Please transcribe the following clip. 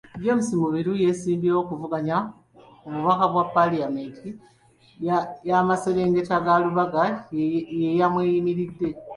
James Mubiru eyeesimbyewo okuvuganya ku bubaka bwa Paalamenti y'amaserengeta ga Lubaga ye yamweyimiridde.